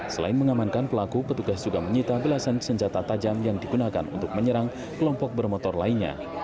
selain mengamankan pelaku petugas juga menyita belasan senjata tajam yang digunakan untuk menyerang kelompok bermotor lainnya